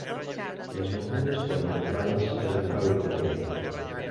Les Bermudes foren emprades l'època victoriana.